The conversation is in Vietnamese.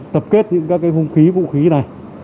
tập kết những các hung khí vũ khí này